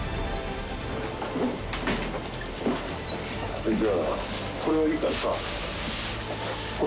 はいじゃあこれはいいからさ。